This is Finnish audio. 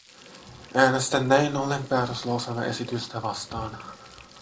Äänestän näin ollen päätöslauselmaesitystä vastaan.